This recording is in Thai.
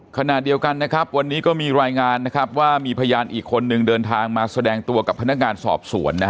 ขณะเดียวกันนะครับวันนี้ก็มีรายงานนะครับว่ามีพยานอีกคนนึงเดินทางมาแสดงตัวกับพนักงานสอบสวน